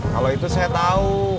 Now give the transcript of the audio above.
kalau itu saya tau